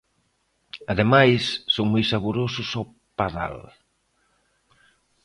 Ademais, son moi saborosos ao padal.